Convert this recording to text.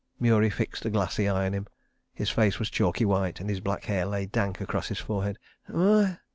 Murie fixed a glassy eye on him. His face was chalky white and his black hair lay dank across his forehead.